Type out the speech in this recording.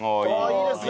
いいですね。